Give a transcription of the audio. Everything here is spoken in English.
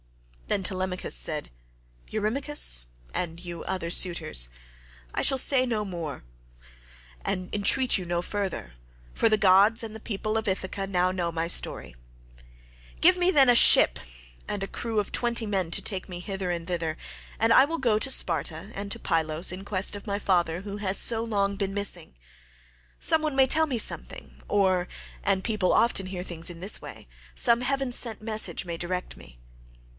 Then Telemachus said, "Eurymachus, and you other suitors, I shall say no more, and entreat you no further, for the gods and the people of Ithaca now know my story. Give me, then, a ship and a crew of twenty men to take me hither and thither, and I will go to Sparta and to Pylos in quest of my father who has so long been missing. Some one may tell me something, or (and people often hear things in this way) some heaven sent message may direct me.